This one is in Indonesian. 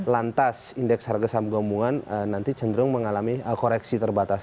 lantas indeks harga saham gabungan nanti cenderung mengalami koreksi terbatas